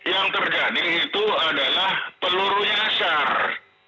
yang terjadi itu adalah pelurunya asar